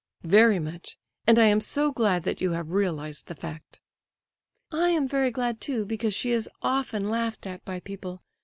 "Very much; and I am so glad that you have realized the fact." "I am very glad, too, because she is often laughed at by people.